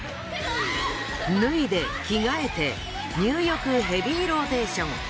脱いで着替えて入浴ヘビーローテーション。